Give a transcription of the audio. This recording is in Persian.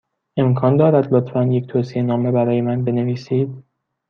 امکان دارد، لطفا، یک توصیه نامه برای من بنویسید؟